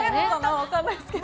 分かんないですけど。